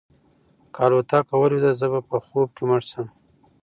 که الوتکه ولویده زه به په خوب کې مړ شم.